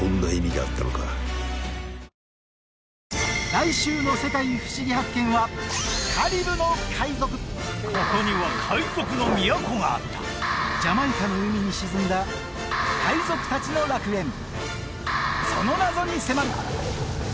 来週の「世界ふしぎ発見！」はここには海賊の都があったジャマイカの海に沈んだ海賊達の楽園その謎に迫る！